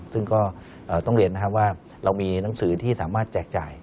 ซึ่งก็ต้องเรียนนะครับว่าเรามีหนังสือที่สามารถแจกจ่าย